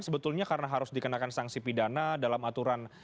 sebetulnya karena harus dikenakan sanksi pidana dalam aturan